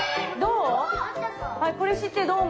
どう？